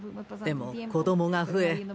でも子どもが増え